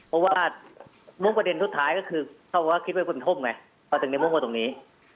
เพราะว่ามุมประเด็นสุดท้ายก็คือเขาคิดว่าคุณท่มไงแต่ถึงในมุมตรงนี้